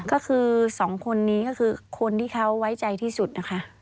ก็คือสองคนนี้ก็คือคนที่เขาไว้ใจที่สุดนะคะ